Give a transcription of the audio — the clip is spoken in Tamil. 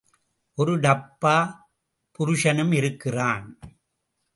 ஒரு டப்பா புருஷனும் இருக்கிறான்.